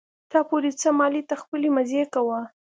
تا پورې څه مالې ته خپلې مزې کوه.